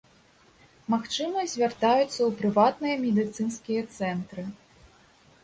Магчыма, звяртаюцца ў прыватныя медыцынскія цэнтры.